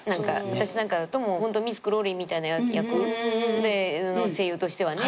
私なんかだとミス・クローリーみたいな役で声優としてはね。